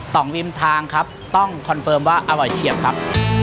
ต่องริมทางครับต้องคอนเฟิร์มว่าอร่อยเฉียบครับ